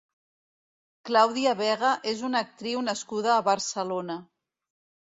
Claudia Vega és una actriu nascuda a Barcelona.